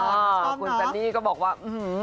เอ่อคุณสันนิก็บอกว่าอืฮือ